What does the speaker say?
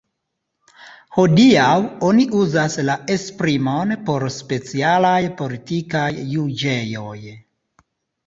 Hodiaŭ oni uzas la esprimon por specialaj politikaj juĝejoj.